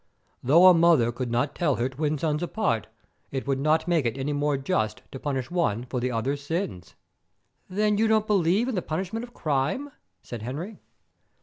Though a mother could not tell her twin sons apart, it would not make it any more just to punish one for the other's sins." "Then you don't believe in the punishment of crime?" said Henry.